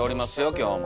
今日も。